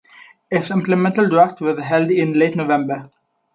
A supplemental draft was held in late November.